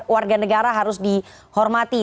warga negara harus dihormati